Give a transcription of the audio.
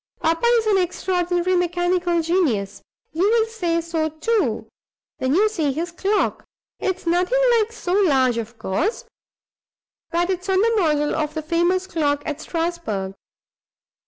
Papa is an extraordinary mechanical genius. You will say so, too, when you see his clock. It's nothing like so large, of course, but it's on the model of the famous clock at Strasbourg.